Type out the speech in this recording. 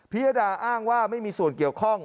ยดาอ้างว่าไม่มีส่วนเกี่ยวข้อง